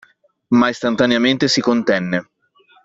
Ma istantaneamente si contenne.